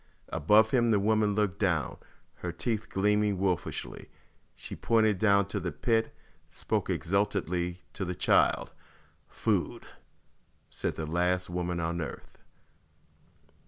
Above him the woman looked down, her teeth gleaming wolfishly. She pointed down into the pit; spoke exultantly to the child. "Food!" said the last woman on earth.